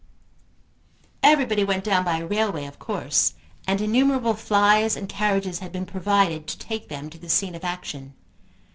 Everybody went down by railway of course, and innumerable flies and carriages had been provided to take them to the scene of action.